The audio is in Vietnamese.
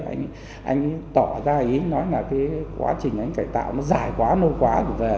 anh ấy tỏ ra ý nói là cái quá trình anh ấy cải tạo nó dài quá nâu quá